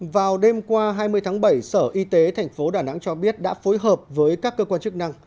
vào đêm qua hai mươi tháng bảy sở y tế tp đà nẵng cho biết đã phối hợp với các cơ quan chức năng